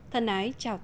thân ái chào tạm biệt